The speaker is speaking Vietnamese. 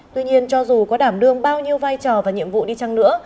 tuy nhiên cho dù có đảm đương bao nhiêu vai trò và nhiệm vụ đi chăng nữa